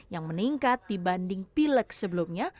yang meningkat dibanding pileg sebelumnya